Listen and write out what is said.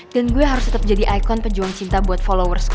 dan gue harus tetep jadi icon pejuang cinta buat followers gue